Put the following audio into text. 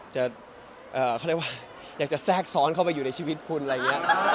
เขาเรียกว่าอยากจะแทรกซ้อนเข้าไปอยู่ในชีวิตคุณอะไรอย่างนี้